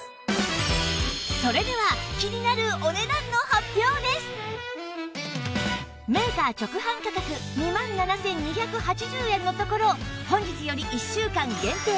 それではメーカー直販価格２万７２８０円のところ本日より１週間限定